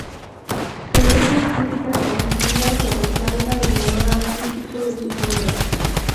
En estas críticas positivas se resalta el valor artístico de sus obras.